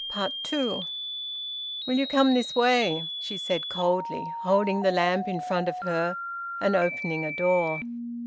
TWO. "Will you come this way?" she said coldly, holding the lamp in front of her, and opening a door.